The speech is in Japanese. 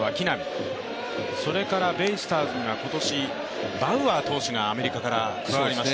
ベイスターズには今年バウアー投手がアメリカから加わりました。